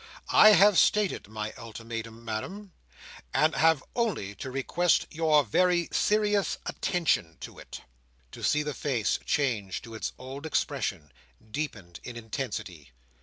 I have stated my ultimatum, Madam, and have only to request your very serious attention to it." To see the face change to its old expression, deepened in intensity!